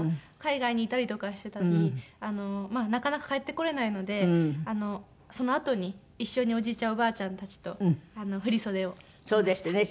海外にいたりとかしてたりなかなか帰ってこれないのでそのあとに一緒におじいちゃんおばあちゃんたちと振り袖を着ました。